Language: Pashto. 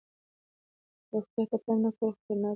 روغتیا ته پام نه کول خطرناک دی.